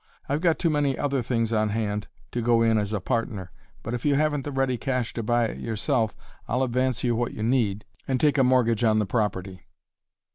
I've got too many other things on hand to go in as a partner, but if you haven't the ready cash to buy it yourself I'll advance you what you need and take a mortgage on the property."